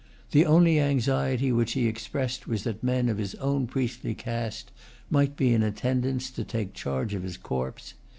The only anxiety which he expressed was that men of his own priestly caste might be in attendance to take charge of his corpse.